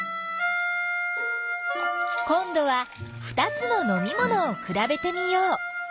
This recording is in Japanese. こんどは２つののみものをくらべてみよう。